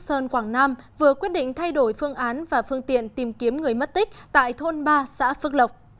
sơn quảng nam vừa quyết định thay đổi phương án và phương tiện tìm kiếm người mất tích tại thôn ba xã phước lộc